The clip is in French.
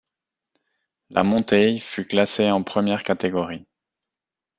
La montée fut classée en première catégorie.